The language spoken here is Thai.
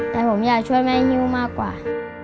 แต่ผมอยากช่วยแม่ฮิ้วมากกว่า